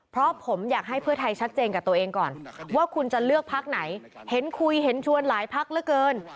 เพราะผมอยากให้เพื่อไทยชัดเจนกับตัวเองก่อนว่าคุณจะเลือกพักไหนเห็นคุยเห็นชวนหลายพักเหลือเกิน